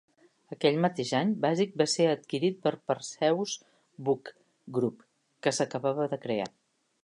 Aquell mateix any, Basic va ser adquirit per Perseus Books Group, que s'acabava de crear.